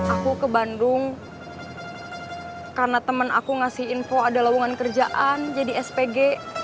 aku ke bandung karena temen aku ngasih info ada lawangan kerjaan jadi spg